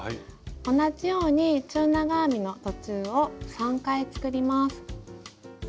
同じように中長編みの途中を３回作ります。